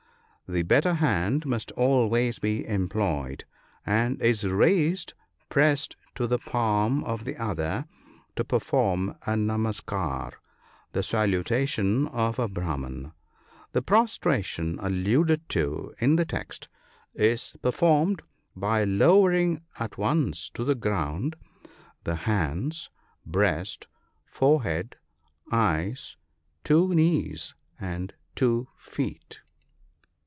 The better hand must always be employed, and is raised pressed to the palm of the other to perform a " namuskar," the salutation of a Brahman. The prostration alluded to in the text is performed by lowering at once to the ground the hands, breast, forehead, eyes, two knees, and two feet.